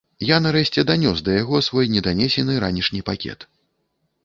І я, нарэшце, данёс да яго свой неданесены ранішні пакет.